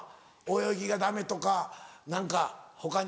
泳ぎがダメとか何か他に。